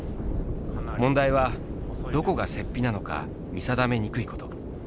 問題はどこが雪庇なのか見定めにくいこと。